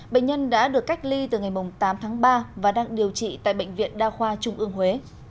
bệnh nhân đã được cách ly từ ngày tám tháng ba và đang điều trị tại bệnh viện đa khoa trung ương huế